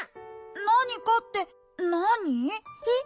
なにかってなに？えっ？